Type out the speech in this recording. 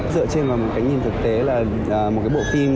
dựa trên vào một cái nhìn thực tế là một cái bộ phim